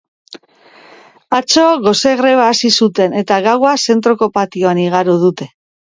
Atzo gose greba hasi zuten eta gaua zentroko patioan igaro dute.